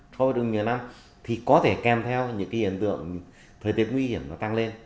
thôi được nhiều năm thì có thể kèm theo những cái hiện tượng thời tiết nguy hiểm nó tăng lên